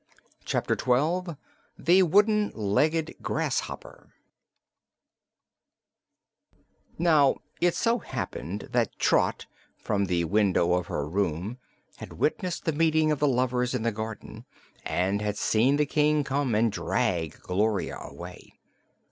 Chapter Twelve The Wooden Legged Grass Hopper Now it so happened that Trot, from the window of her room, had witnessed the meeting of the lovers in the garden and had seen the King come and drag Gloria away.